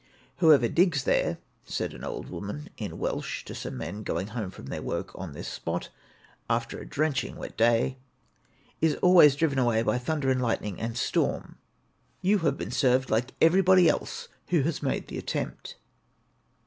'Whoever digs there,' said an old woman in Welsh to some men going home from their work on this spot, after a drenching wet day, 'is always driven away by thunder and lightning and storm; you have been served like everybody else who has made the attempt.'